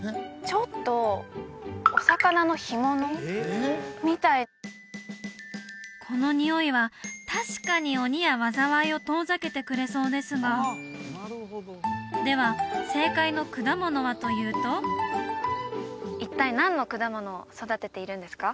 ちょっとこのにおいは確かに鬼や災いを遠ざけてくれそうですがでは正解の果物はというと一体何の果物を育てているんですか？